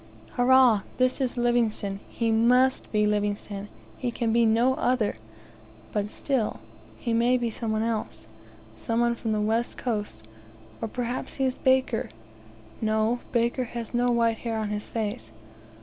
Hurrah! This is Livingstone! He must be Livingstone! He can be no other; but still; he may be some one else some one from the West Coast or perhaps he is Baker! No; Baker has no white hair on his face.